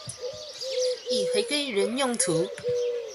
已經回歸原用途